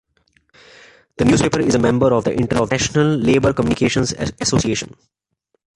The newspaper is a member of the International Labor Communications Association.